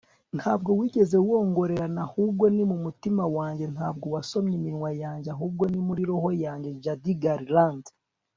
ntabwo wigeze wongorerana, ahubwo ni mu mutima wanjye. ntabwo wasomye iminwa yanjye, ahubwo ni roho yanjye. - judy garland